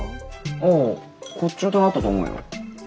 ああこっちの棚あったと思うよ。